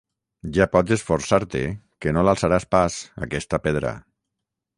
Ja pots esforçar-te, que no l'alçaràs pas, aquesta pedra.